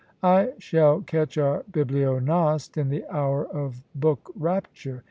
I shall catch our bibliognoste in the hour of book rapture!